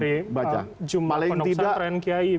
misalkan dari jumlah pondok pesantren kiai